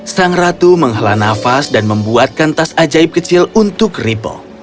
sang ratu menghala nafas dan membuatkan tas ajaib kecil untuk ribble